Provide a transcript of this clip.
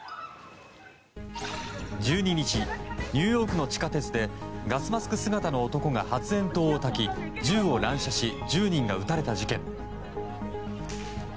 １２日、ニューヨークの地下鉄でガスマスク姿の男が発煙筒をたき銃を乱射し１０人が撃たれた事件。